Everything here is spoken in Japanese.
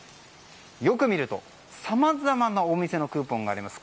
よく見ると、さまざまなお店のクーポンがあります。